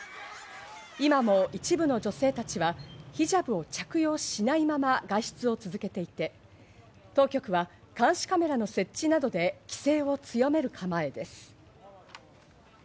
今も一部の女性たちは、ヒジャブを着用しないまま外出を続けていて、当局は監視カメラの設置などで規制を強める構えです。